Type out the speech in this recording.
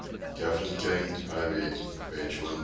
Captain King ib page 120.